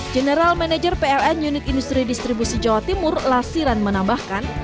general manager pln unit industri distribusi jawa timur lasiran menambahkan